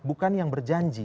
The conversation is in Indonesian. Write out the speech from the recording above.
bukan yang berjanji